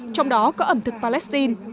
trong đó có ẩm thực palestine